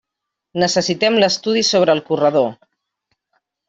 Necessitem l'estudi sobre el corredor.